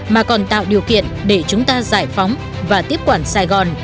mà còn tạo điều kiện để chúng ta giải phóng và tiếp quản sài gòn